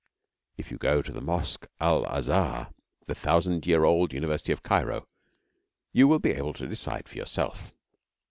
If you go to the mosque Al Azhar the thousand year old University of Cairo you will be able to decide for yourself.